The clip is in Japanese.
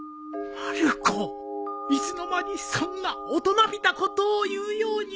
まる子いつの間にそんな大人びたことを言うように